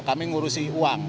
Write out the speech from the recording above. kami ngurusi uang